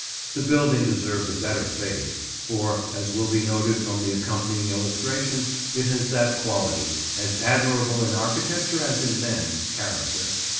The building deserves a better fate, for, as will be noted from the accompanying illustration, it has that quality, as admirable in architecture as in men, character.